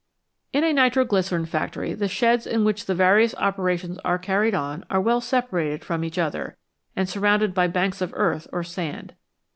In a nitro glycerine factory the sheds in which the various operations are carried on are well separated from each other, and surrounded by banks of earth or sand.